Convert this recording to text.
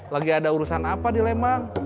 lagi ada urusan apa di lembang